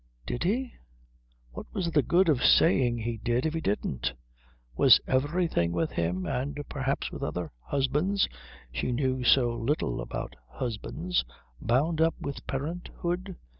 Did he? What was the good of saying he did if he didn't? Was everything with him, and perhaps with other husbands she knew so little about husbands bound up with parenthood?